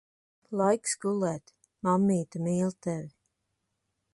Laiks gulēt. Mammīte mīl tevi.